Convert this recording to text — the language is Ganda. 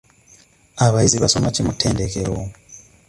Abayizi basoma ki mu ttendekero?